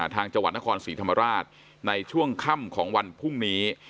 จังหวัดนครศรีธรรมราชในช่วงค่ำของวันพรุ่งนี้